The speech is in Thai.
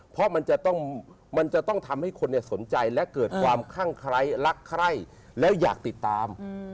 เพราะมันจะต้องมันจะต้องทำให้คนสนใจและเกิดความคั่งไคร้รักใคร่แล้วอยากติดตาม